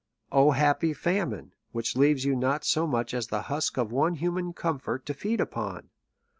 O happy famine, which leaves you not so much as the husk of one human comfort to feed upon